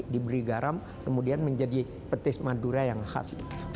diberi garam kemudian menjadi petis madura yang khas